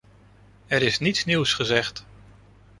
Er is niets nieuws gezegd.